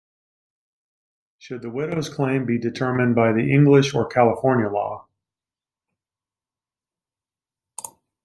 Should the widow's claim be determined by the English or California law?